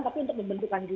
tapi untuk pembentukan juga